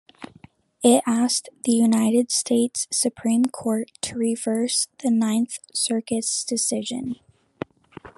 It asked the United States Supreme Court to reverse the Ninth Circuit's decision.